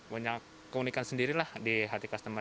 banyak keunikan sendiri lah di hati customer